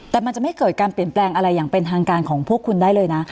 แต่มันจะไม่เกิดการเปลี่ยนแปลงอะไรอย่างเป็นทางการของพวกคุณได้เลยนะ